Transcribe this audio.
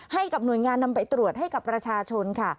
ให้กับหน่วยงานนำไปตรวจให้กับประชาชนค่ะ